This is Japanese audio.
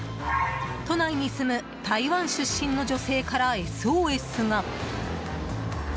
都内に住む台湾出身の女性からＳＯＳが。